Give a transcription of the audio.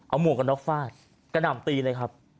เอาหมวกกันน็อกฟาดกระหน่ำตีเลยครับ